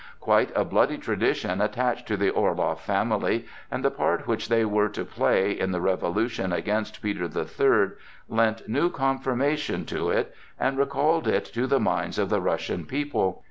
Quite a bloody tradition attached to the Orloff family, and the part which they were to play in the revolution against Peter the Third lent new confirmation to it and recalled it to the minds of the Russian people.